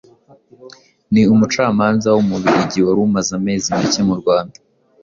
ni umucamanza w’umubiligi wari umaze amezi make mu Rwanda